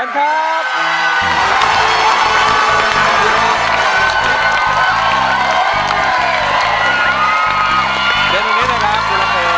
เชนครับ